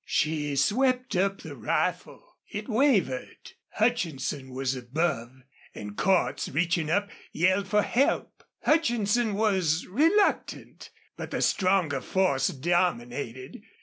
She swept up the rifle. It wavered. Hutchinson was above, and Cordts, reaching up, yelled for help. Hutchinson was reluctant. But the stronger force dominated.